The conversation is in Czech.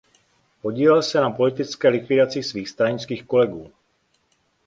Podílel se na politické likvidaci svých stranických kolegů.